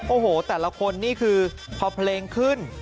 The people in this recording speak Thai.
โอ้โหแต่ละคนนี่คือพอเพลงขึ้น